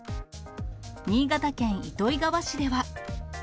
新潟県糸魚川市では。